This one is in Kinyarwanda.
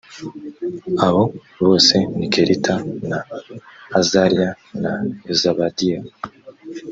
abo bose ni kelita na azariya na yozabadi a